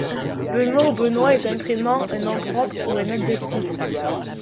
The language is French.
Benoît ou Benoit est un prénom, un nom propre ou un adjectif.